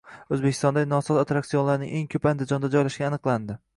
O‘zbekistondagi nosoz attraksionlarning eng ko‘pi Andijonda joylashgani aniqlandi